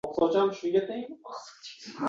Sovqotyapman.